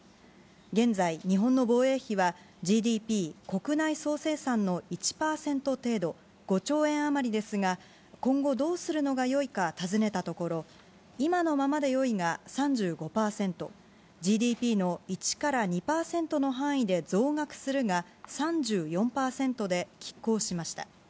現在、日本の防衛費はＧＤＰ・国内総生産の１％程度、５兆円余りですが、今後どうするのがよいか尋ねたところ、今のままでよいが３５％、ＧＤＰの１から２％の範囲で増額するが３４％で、きっ抗しました。